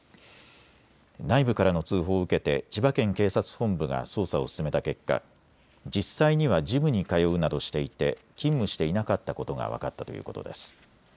内部からの通報を受けて千葉県警察本部が捜査を進めた結果、実際にはジムに通うなどしていて勤務していなかったことが分かったということです。